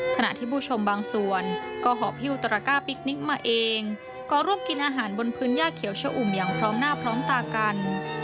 ขณะที่ผู้ชมบางส่วนก็หอบหิ้วตระก้าปิ๊กนิกมาเองก็ร่วมกินอาหารบนพื้นย่าเขียวชะอุ่มอย่างพร้อมหน้าพร้อมตากัน